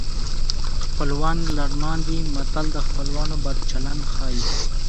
خپلوان لړمان دي متل د خپلوانو بد چلند ښيي